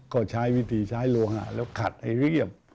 ก็ใช้วิธีใช้ลวงแล้วขัดให้เรียบ